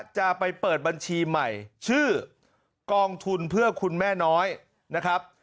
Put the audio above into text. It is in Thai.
จะไปเปิดบัญชีใหม่ชื่อกองทุนเพื่อคุณแม่น้อยนะครับ